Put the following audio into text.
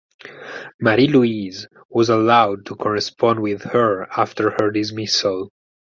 Marie Louise was allowed to correspond with her after her dismissal.